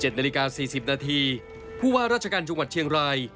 นาฬิกา๔๐นาทีผู้ว่าราชการจังหวัดเชียงราย